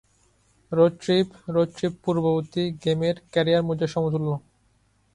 Road trip - "road trip" পূর্ববর্তী গেমের "career মোডের সমতুল্য।